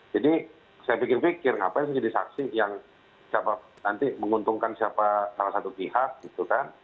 jadi saya pikir pikir ngapain saya jadi saksi yang siapa nanti menguntungkan siapa salah satu pihak gitu kan